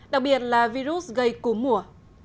đặc biệt là virus gây cúm mùa